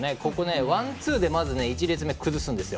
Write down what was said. ワンツーでまず１列目を崩すんですよ。